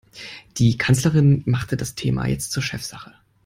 Die Kanzlerin machte das Thema jetzt zur Chefsache.